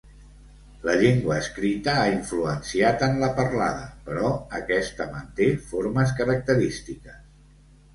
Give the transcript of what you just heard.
La llengua escrita ha influenciat en la parlada, però aquesta manté formes característiques.